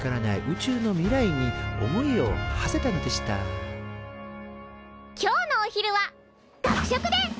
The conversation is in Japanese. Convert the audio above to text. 宇宙の未来に思いをはせたのでした今日のお昼は学食でっ！